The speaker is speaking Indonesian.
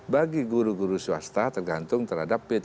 bagi guru guru swasta tergantung terhadap p tiga